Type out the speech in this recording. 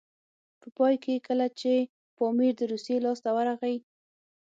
په پای کې کله چې پامیر د روسیې لاسته ورغی.